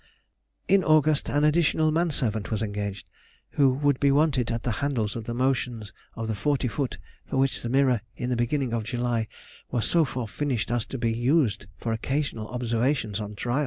In August an additional man servant was engaged, who would be wanted at the handles of the motions of the forty foot, for which the mirror in the beginning of July was so far finished as to be used for occasional observations on trial.